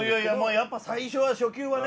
やっぱ最初は初球はね。